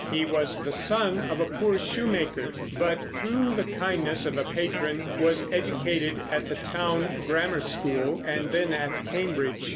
He was the son of a poor shoemaker, but through the kindness of a patron was educated at the town grammar school and then at Cambridge.